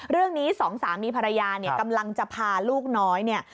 เรื่องนี้สองสามีภรรยาเนี่ยกำลังจะพาลูกน้อยเนี่ย